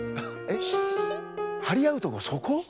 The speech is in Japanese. えっ？はりあうとこそこ？